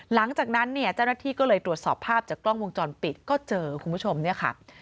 หลังจากนั้นเนี่ยเจ้าหน้าที่ก็เลยตรวจสอบภาพจากกล้องวงจรปิดก็เจอคุณผู้ชมเนี่ยค่ะ